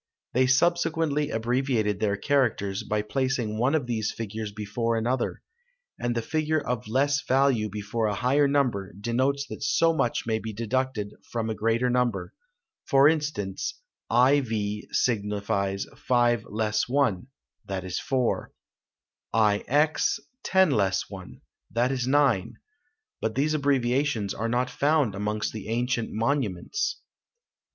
They subsequently abbreviated their characters, by placing one of these figures before another; and the figure of less value before a higher number, denotes that so much may be deducted from a greater number; for instance, IV signifies five less one, that is four; IX ten less one, that is nine; but these abbreviations are not found amongst the ancient monuments.